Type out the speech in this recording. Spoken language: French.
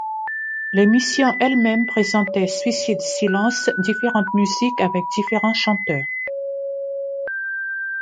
L'émission elle-même présentait Suicide Silence différentes musiques avec différents chanteurs.